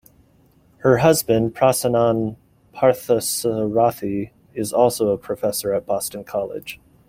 Her husband, Prasannan Parthasarathi is also a professor at Boston College.